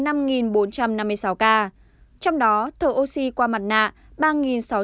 trong đó thở oxy qua mặt nạ